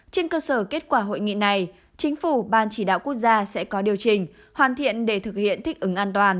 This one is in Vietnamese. trên cơ sở kết quả hội nghị này chính phủ ban chỉ đạo quốc gia sẽ có điều chỉnh hoàn thiện để thực hiện thích ứng an toàn